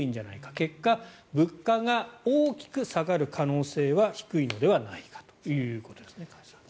結果、物価が大きく下がる可能性は低いのではないかということですね。